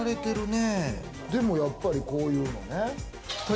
でもやっぱりこういうのね。